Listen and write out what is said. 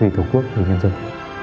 vì tổ quốc vì nhân dân